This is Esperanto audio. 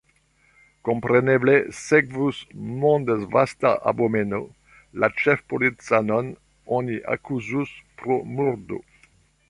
Kompreneble sekvus mondvasta abomeno, la ĉefpolicanon oni akuzus pro murdo.